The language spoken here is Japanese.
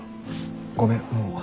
ごめんもう。